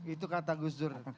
itu kata gus dur